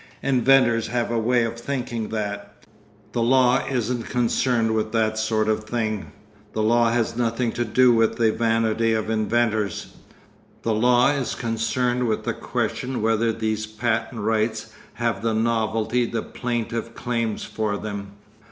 Inventors have a way of thinking that. The law isn't concerned with that sort of thing. The law has nothing to do with the vanity of inventors. The law is concerned with the question whether these patent rights have the novelty the plantiff claims for them.